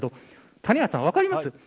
谷原さん、分かりますか。